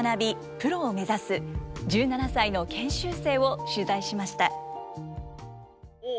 プロを目指す１７歳の研修生を取材しました。